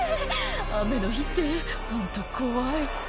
「雨の日ってホント怖い」